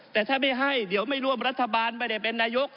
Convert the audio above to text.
แต่ถ้าไม่ให้เดี๋ยวไม่ร่วมรัฐบาลไม่ได้เป็นนายก